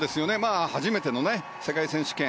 初めての世界選手権。